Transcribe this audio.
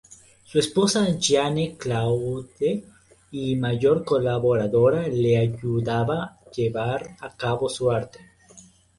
Su esposa Jeanne-Claudde y mayor colaboradora le ayudaba llevar a cabo su arte.